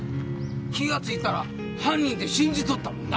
気がついたら犯人って信じとったもんなあ？